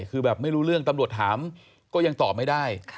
คือแบบไม่รู้เรื่องตำรวจถามก็ยังตอบไม่ได้